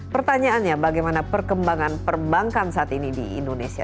pertanyaannya bagaimana perkembangan perbankan saat ini di indonesia